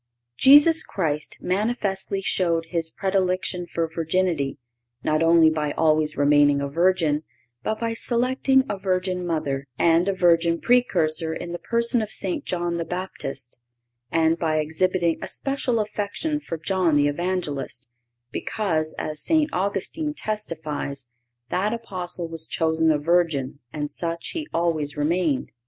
(516) Jesus Christ manifestly showed His predilection for virginity, not only by always remaining a virgin, but by selecting a Virgin Mother and a virgin precursor in the person of St. John the Baptist, and by exhibiting a special effection for John the Evangelist, because, as St. Augustine testifies, that Apostle was chosen a virgin and such he always remained.